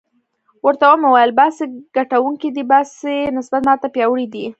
ورته ومې ویل: باسي ګټونکی دی، باسي نسبت ما ته پیاوړی دی.